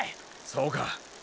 そうか。